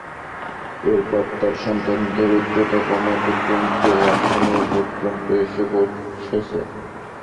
এরপর তাঁর সন্তানদের উচ্চতা কমতে কমতে এখন এ পর্যন্ত এসে পৌছেছে।